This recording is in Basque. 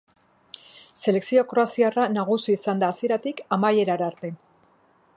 Selekzio kroaziarra nagusi izan da hasieratik amaierara arte.